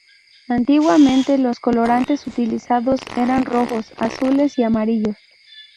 Antiguamente los colorantes utilizados eran rojos, azules y amarillos.